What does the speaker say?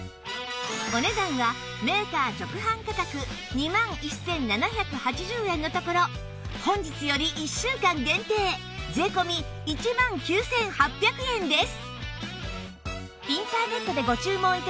お値段はメーカー直販価格２万１７８０円のところ本日より１週間限定税込１万９８００円です